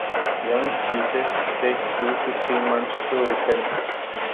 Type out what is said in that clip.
Young cheeses take two to three months to ripen.